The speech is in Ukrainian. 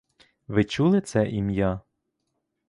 Ви чули це ім'я?